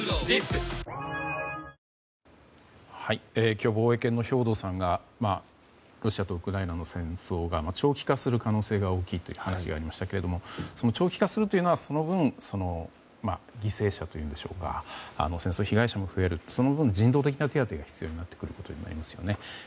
今日、防衛研の兵頭さんがロシアとウクライナの戦争が長期化する可能性が大きいという話がありましたが長期化するというのはその分犠牲者というんでしょうか戦争被害者も増えるその分、人道的な手当てが必要となりますよね。